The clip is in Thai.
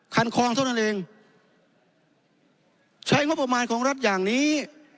คันคลองเท่านั้นเองใช้งบประมาณของรัฐอย่างนี้